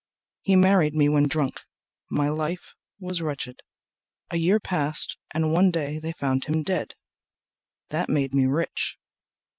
He married me when drunk. My life was wretched. A year passed and one day they found him dead. That made me rich.